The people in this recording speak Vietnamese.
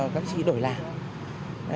các chị đổi làm